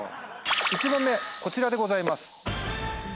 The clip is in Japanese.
１問目こちらでございます。